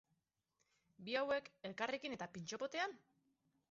Bi hauek, elkarrekin eta pintxo-potean?